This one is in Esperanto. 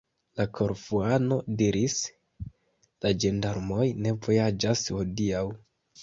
La Korfuano diris: "La ĝendarmoj ne vojaĝas hodiaŭ."